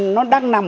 nó đang nằm